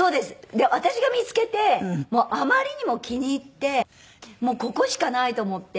で私が見付けてあまりにも気に入ってもうここしかないと思って。